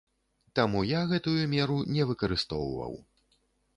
Таму я гэтую меру не выкарыстоўваў.